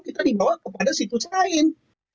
kita dibawa kepada situs lain